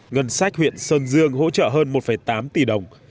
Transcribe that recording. ngân sách huyện sơn dương hỗ trợ hơn một tám tỷ đồng